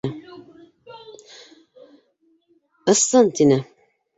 — Ысын! — тине.